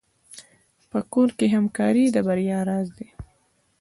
په کور کې همکاري د بریا راز دی.